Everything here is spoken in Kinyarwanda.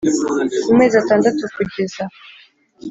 Ku mezi atandatu kugeza